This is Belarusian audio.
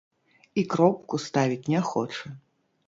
І кропку ставіць не хоча.